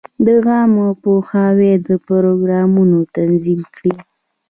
د عامه پوهاوي پروګرامونه تنظیم کړي.